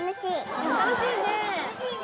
楽しいね！